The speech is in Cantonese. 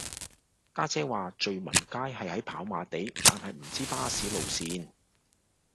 家姐話聚文街係喺跑馬地但係唔知巴士路線